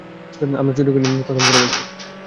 আমরা চুরি করিনি, কসম করে বলছি।